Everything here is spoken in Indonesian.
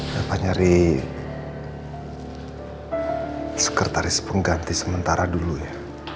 bapak nyari sekretaris pengganti sementara dulu ya